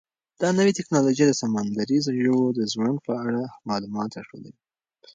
دا نوې ټیکنالوژي د سمندري ژویو د ژوند په اړه معلومات راټولوي.